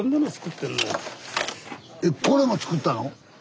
えっこれも作ったの？